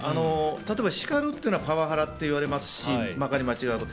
例えば叱るのはパワハラといわれますしまかり間違うと。